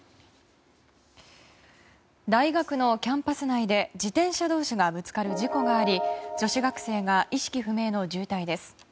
大学のキャンパス内で自転車同士がぶつかる事故があり女子学生が意識不明の重体です。